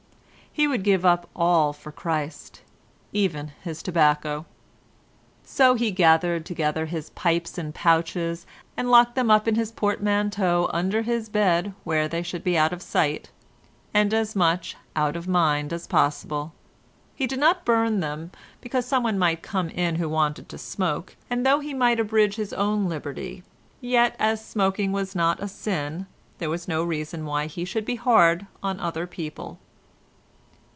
He would give up all for Christ—even his tobacco. So he gathered together his pipes and pouches, and locked them up in his portmanteau under his bed where they should be out of sight, and as much out of mind as possible. He did not burn them, because someone might come in who wanted to smoke, and though he might abridge his own liberty, yet, as smoking was not a sin, there was no reason why he should be hard on other people.